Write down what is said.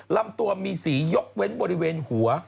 ลำตัวมีสียกเว้นบริเวณหัว